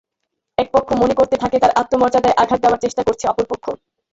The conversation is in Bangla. একপক্ষ মনে করতে থাকে তাঁর আত্মমর্যাদায় আঘাত দেওয়ার চেষ্টা করছে অপর পক্ষ।